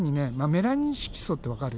メラニン色素ってわかる？